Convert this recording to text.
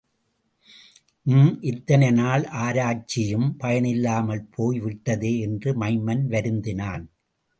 உம், இத்தனை நாள் ஆராய்ச்சியும் பயனில்லாமல் போய் விட்டதே! என்று மைமன் வருந்தினான்.